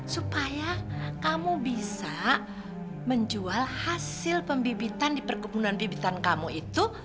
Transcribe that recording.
supaya kamu bisa menjual hasil pembibitan di perkebunan bibitan kamu itu